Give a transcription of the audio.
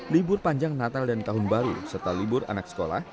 libur panjang natal dan tahun baru serta libur anak sekolah